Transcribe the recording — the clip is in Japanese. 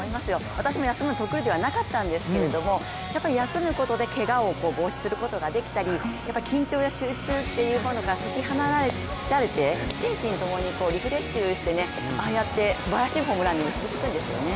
私も休むの得意ではなかったんですけどもやっぱり休むことでけがを防止することができたり緊張や集中というものから解き放たれて心身ともにリフレッシュして、ああやって素晴らしいホームランに結びつくんですよね。